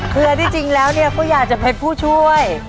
คืออ่ะที่จริงแล้วพวกเราอยากจะเป็นผู้ช่วย